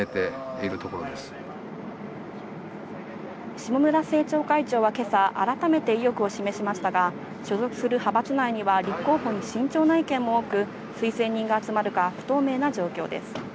下村政調会長は今朝、改めて意欲を示しましたが所属する派閥内には立候補に慎重な意見も多く、推薦人が集まるか不透明な状況です。